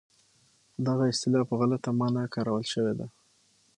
دغه اصطلاح په غلطه مانا کارول شوې ده.